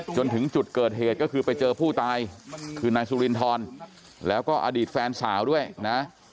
จนถึงจุดเกิดเหตุก็คือไปเจอผู้ตายคือนายสุรินทรแล้วก็อดีตแฟนสาวด้วยนะ